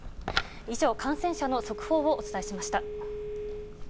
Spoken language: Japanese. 以上、感染者の速報をお伝えしました。